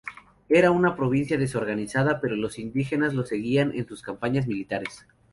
Era una provincia desorganizada, pero los indígenas lo seguían en sus campañas militares.